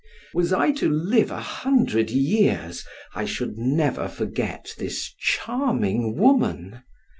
Was I to live a hundred years, I should never forget this charming woman.